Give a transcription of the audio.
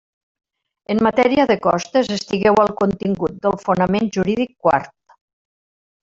En matèria de costes, estigueu al contingut del fonament jurídic quart.